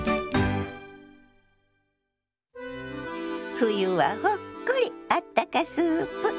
「冬はほっこりあったかスープ」。